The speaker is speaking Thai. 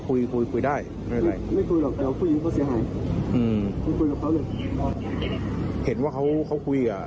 ผมแค่เอามาโผล่แต่ไม่เข้าจริงผมตกใจเลย